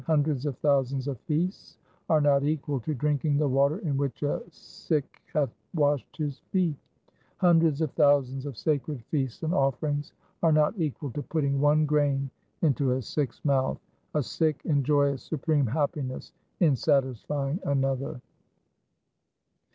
Hundreds of thousands of feasts are not equal to drinking the water in which a Sikh hath washed his feet. Hundreds of thousands of sacred feasts and offerings are not equal to putting one grain into a Sikh's mouth. A Sikh enjoyeth supreme happiness in satisfying another.